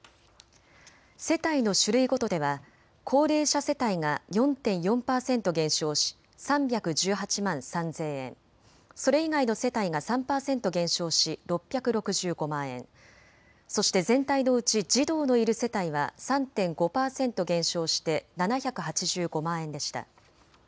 世帯の種類ごとでは高齢者世帯が４．４％減少し３１８万３０００円、それ以外の世帯が３％減少し６６５万円、そして全体のうち児童のいる世帯は３．５％減少して７８５万円でした。